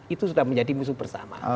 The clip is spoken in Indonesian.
itu sudah menjadi musuh bersama